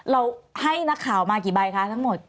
เราให้นักข่าวมากี่ใบคะทั้งหมด